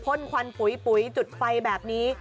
ข้นควันผุ้ยจุดไฟแบบนี้